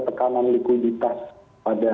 tekanan likuiditas pada